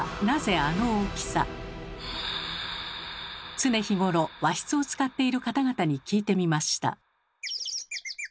常日頃和室を使っている方々に聞いてみました。